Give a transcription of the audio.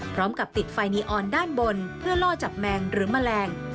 พร้อมกับติดไฟนีออนด้านบนเพื่อล่อจับแมงหรือแมลง